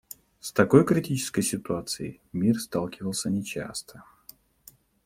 С такой критической ситуацией мир сталкивался нечасто.